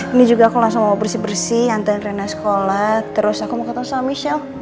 ini juga aku langsung mau bersih bersih antarin rena sekolah terus aku mau katakan salam michelle